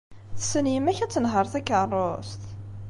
Tessen yemma-k ad tenheṛ takeṛṛust?